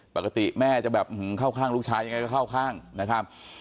ปกติแม่จะแบบเข้าข้างลูกชายยังไงก็เข้าข้างนะครับ